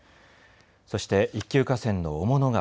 そして一級河川の雄物川。